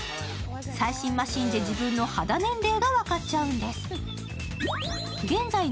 最新マシンで自分の肌年齢が分かっちゃうんです。